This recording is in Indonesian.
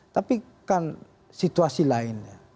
tapi kan situasi lain ya